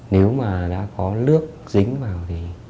nếu mà đã có lước dính vào